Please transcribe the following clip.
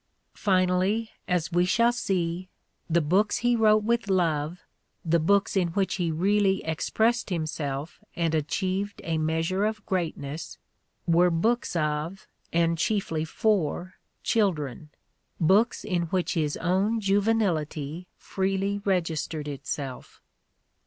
Finally, as we shall see, the books he wrote with love, the books in which he really expressed himself and achieved a measure of greatness, were books of, and chiefly for, children, books in which his own juvenility freely registered itself.